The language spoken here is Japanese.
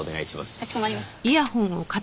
かしこまりました。